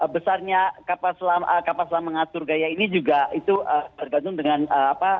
besarnya kapal selam mengatur gaya ini juga itu tergantung dengan apa